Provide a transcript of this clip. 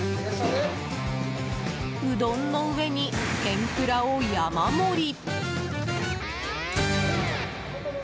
うどんの上に、天ぷらを山盛り！